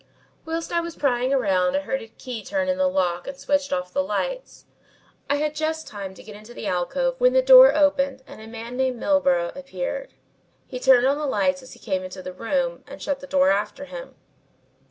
"Whilst I was prying around I heard a key turn in the lock and switched off the lights. I had just time to get into the alcove when the door opened and a man named Milburgh appeared. He turned on the lights as he came into the room and shut the door after him.